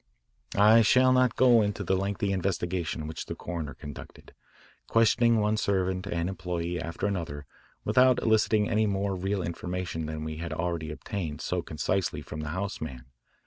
I shall not go into the lengthy investigation which the coroner conducted, questioning one servant and employee after another without eliciting any more real information than we had already obtained so concisely from the house man.